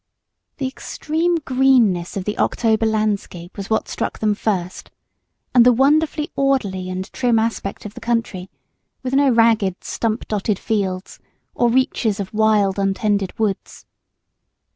The extreme greenness of the October landscape was what struck them first, and the wonderfully orderly and trim aspect of the country, with no ragged, stump dotted fields or reaches of wild untended woods.